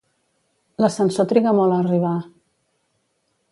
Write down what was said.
L'ascensor triga molt a arribar.